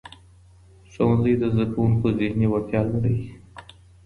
ښوونځی د زدهکوونکو ذهني وړتیا لوړوي.